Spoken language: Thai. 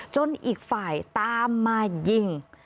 อีกฝ่ายตามมายิง